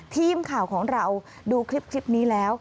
ทีมข่าวของเราดูคลิปนี้แล้ว